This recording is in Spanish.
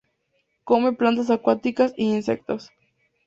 Come plantas acuáticas y insectos.